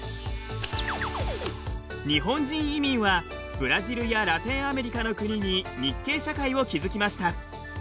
日本人移民はブラジルやラテンアメリカの国に日系社会を築きました。